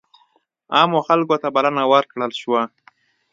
عامو خلکو ته بلنه ورکړل شوه.